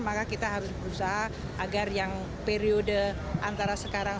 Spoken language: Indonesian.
maka kita harus berusaha agar yang periode antara sekarang